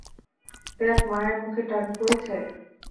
দেখ মায়ের মুখে টান পড়েছে?